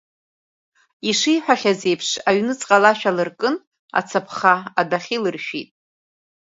Ишиҳәахьаз еиԥш, аҩныҵҟала ашә алыркын, ацаԥха адәахьы илыршәит.